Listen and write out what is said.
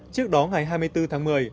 trước đó ngày hai mươi bốn tháng một mươi